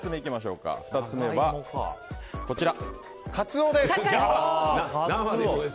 ２つ目はカツオです。